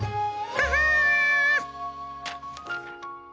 ハハ！